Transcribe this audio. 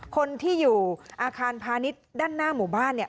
คนที่อยู่อาคารพาณิชย์ด้านหน้าหมู่บ้านเนี่ย